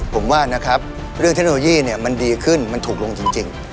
ผมว่านะครับเรื่องเทคโนโลยีเนี่ยมันดีขึ้นมันถูกลงจริง